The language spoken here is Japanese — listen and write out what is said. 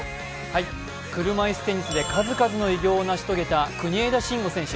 車いすテニス界で数々の偉業を成し遂げた国枝慎吾選手。